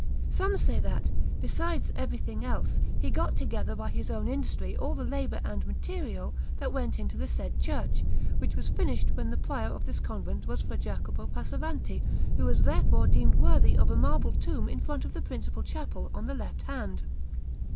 Some say that, besides everything else, he got together by his own industry all the labour and material that went into the said church, which was finished when the Prior of this convent was Fra Jacopo Passavanti, who was therefore deemed worthy of a marble tomb in front of the principal chapel, on the left hand.